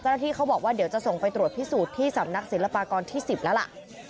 เขาบอกว่าเดี๋ยวจะส่งไปตรวจพิสูจน์ที่สำนักศิลปากรที่๑๐แล้วล่ะ